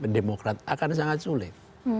dan demokrat akan sangat sulit